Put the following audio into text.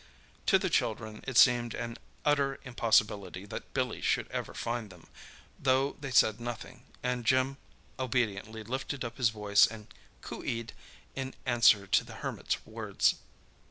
To the children it seemed an utter impossibility that Billy should ever find them, though they said nothing, and Jim obediently lifted up his voice and coo ee'd in answer to the Hermit's words.